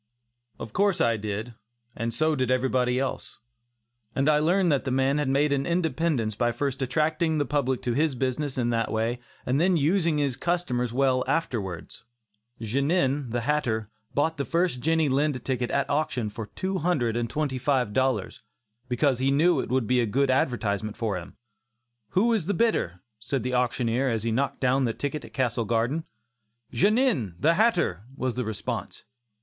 Of course I did, and so did everybody else, and I learned that the man had made an independence by first attracting the public to his business in that way and then using his customers well afterwards. Genin, the hatter, bought the first Jenny Lind ticket at auction for two hundred and twenty five dollars, because he knew it would be a good advertisement for him. "Who is the bidder?" said the auctioneer, as he knocked down that ticket at Castle Garden. "Genin, the hatter," was the response.